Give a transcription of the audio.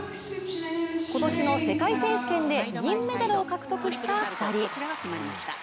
今年の世界選手権で銀メダルを獲得した２人。